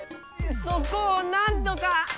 そこをなんとか！